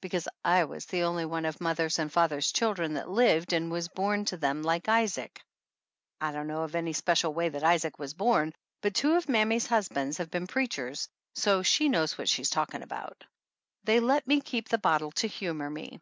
Because I was the only one of mother's and father's children that lived and was born to them like Isaac (/ don't know of any special way that Isaac was born, but two of mammy's husbands have been preachers, so she knows what she's talking about) they let me keep the bottle to humor me.